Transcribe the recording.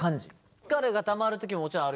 疲れがたまる時ももちろんあるやん。